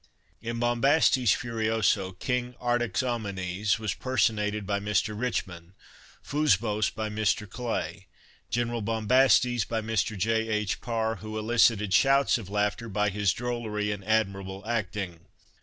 In "Bombastes Furioso," King Artaxomines was personated by Mr. Richmond; Fusbos by Mr. Clay; General Bombastes by Mr. J. H. Parr, who elicited shouts of laughter by his drollery and admirable acting.